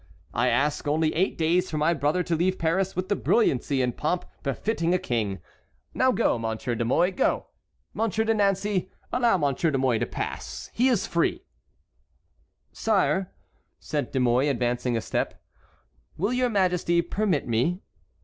I ask only eight days for my brother to leave Paris with the brilliancy and pomp befitting a king. Now go, Monsieur de Mouy, go! Monsieur de Nancey, allow Monsieur de Mouy to pass; he is free." "Sire," said De Mouy, advancing a step, "will your Majesty permit me?"